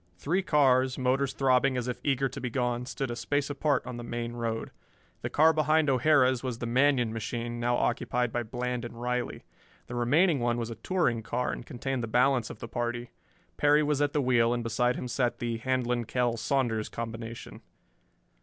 Three cars, motors throbbing as if eager to be gone, stood a space apart on the main road. The car behind O'Hara's was the Manion machine, now occupied by Bland and Riley. The remaining one was a touring car and contained the balance of the party. Perry was at the wheel, and beside him sat the Handlon Kell Saunders combination.